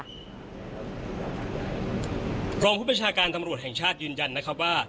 หลวงผู้บริชาการระบบการทำลวดแห่งชาติยืนยันว่า